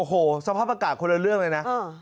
โอ้โหสภาพอากาศคนละเรื่องเลยนะ